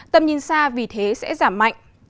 tầm nhìn xa vì thế sẽ giảm mạnh